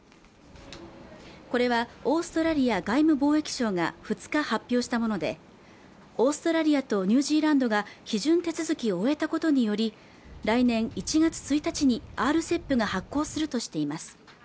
これはオーストラリア外務貿易省が２日発表したものでオーストラリアとニュージーランドが批准手続きを終えたことにより来年１月１日にＲＣＥＰが発効するとしています